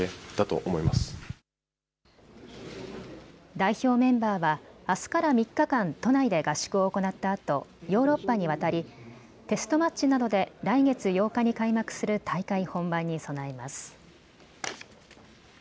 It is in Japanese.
代表メンバーはあすから３日間、都内で合宿を行ったあとヨーロッパに渡り、テストマッチなどで来月８日に開幕する大会本番に備えます。